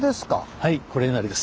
はいこれなんです。